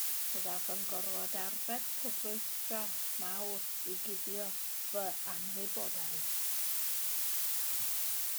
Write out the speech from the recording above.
Byddaf yn gorfod arfer cyfrwystra mawr i guddio fy anwybodaeth.